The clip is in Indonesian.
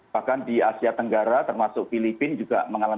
bahkan di asia tenggara termasuk filipina juga mengalami